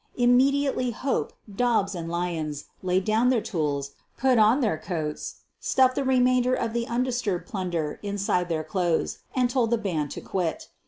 Immediately Hope, Dobbs, and Lyons laid down their tools, put on their coats, stuffed the remainder of the undisturbed plunder inside their clothes, and told the band to quit.